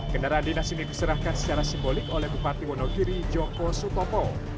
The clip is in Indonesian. kendaraan dinas ini diserahkan secara simbolik oleh bupati wonogiri joko sutopo